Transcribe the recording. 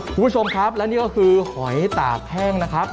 คุณผู้ชมครับและนี่ก็คือหอยตากแห้งนะครับ